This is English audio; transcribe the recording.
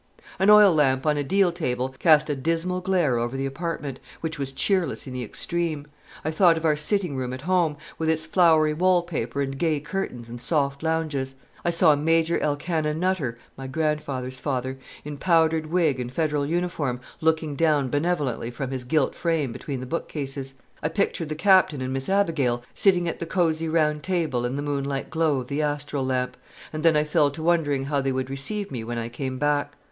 An oil lamp on a deal table cast a dismal glare over the apartment, which was cheerless in the extreme. I thought of our sitting room at home, with its flowery wall paper and gay curtains and soft lounges; I saw Major Elkanah Nutter (my grandfather's father) in powdered wig and Federal uniform, looking down benevolently from his gilt frame between the bookcases; I pictured the Captain and Miss Abigail sitting at the cosey round table in the moon like glow of the astral lamp; and then I fell to wondering how they would receive me when I came back.